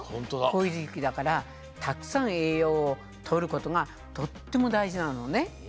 こういうじきだからたくさんえいようをとることがとってもだいじなのね。